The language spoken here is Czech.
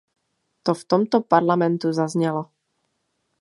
To v tomto Parlamentu zaznělo.